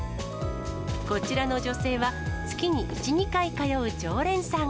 こちらの女性は、月に１、２回通う常連さん。